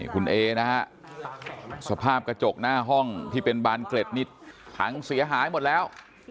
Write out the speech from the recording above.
คุณเอนะฮะสภาพกระจกหน้าห้องที่เป็นบานเกล็ดนี่พังเสียหายหมดแล้ว